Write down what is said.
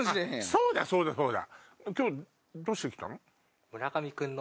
そうだそうだそうだ。